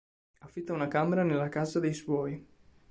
Affitta una camera nella casa dei suoi.